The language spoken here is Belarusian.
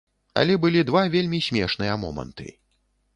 Але былі два вельмі смешныя моманты.